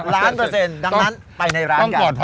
ล้านเปอร์เซ็นดังนั้นไปในร้านกัน